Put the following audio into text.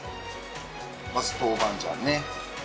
まず豆板醤ね。